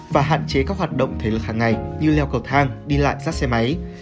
và hạn chế các hoạt động thế lực hàng ngày như leo cầu thang đi lại rác xe máy